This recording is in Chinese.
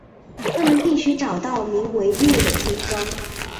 他们必须找到名为怒的村庄。